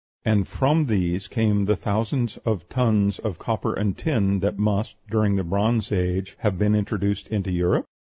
And from these came the thousands of tons of copper and tin that must, during the Bronze Age, have been introduced into Europe?